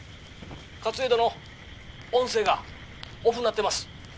「勝家殿音声がオフになってます」。